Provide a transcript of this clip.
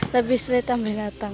lebih sulit yang binatang